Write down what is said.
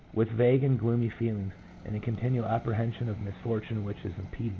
with vague and gloomy feeling, and a continual apprehension of misfortune which is impending.